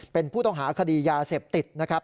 เป็นผู้ต้องหาคดียาเสพติดนะครับ